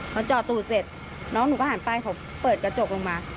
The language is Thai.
พอจอดตู่เสร็จน้องหนูก็หันไปเขาเปิดกระจกลงมา